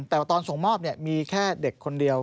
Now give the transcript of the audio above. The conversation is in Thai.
แต่ว่าตอนส่งมอบมีแค่เด็กคนเดียว